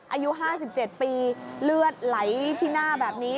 อายุ๕๗ปีเลือดไหลที่หน้าแบบนี้